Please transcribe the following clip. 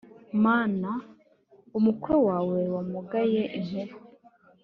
mana umukwe wawe wamugaye inkuba